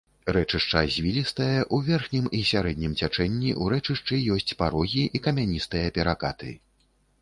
Рэчышча звілістае, у верхнім і сярэднім цячэнні ў рэчышчы ёсць парогі і камяністыя перакаты.